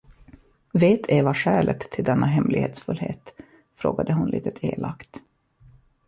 Vet Eva skälet till denna hemlighetsfullhet? frågade hon litet elakt.